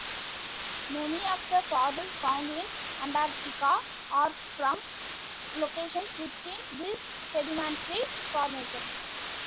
Many of the fossils found in Antarctica are from locations within these sedimentary formations.